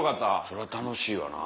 そら楽しいわな。